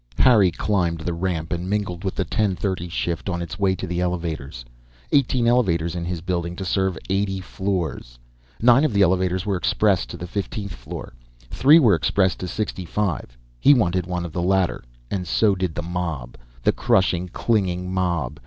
Harry climbed the ramp and mingled with the ten thirty shift on its way up to the elevators. Eighteen elevators in his building, to serve eighty floors. Nine of the elevators were express to the fiftieth floor, three were express to sixty five. He wanted one of the latter, and so did the mob. The crushing, clinging mob.